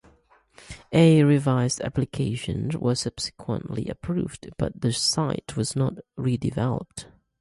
A revised application was subsequently approved, but the site was not redeveloped.